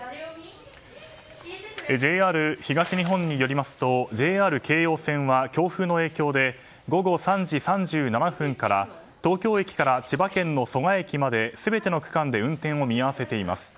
ＪＲ東日本によりますとＪＲ京葉線は強風の影響で午後３時３７分から東京駅から千葉県の蘇我駅まで全ての区間で運転を見合せています。